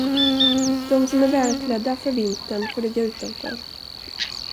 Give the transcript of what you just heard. De som är välklädda för vintern får ligga utanför.